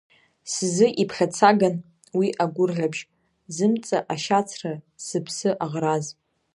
Сзы иԥхьацаган уи агәырӷьабжь, зымҵа ашьацра сыԥсы аӷраз.